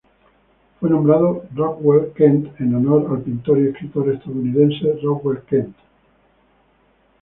Fue nombrado Rockwell Kent en honor al pintor y escritor estadounidense Rockwell Kent.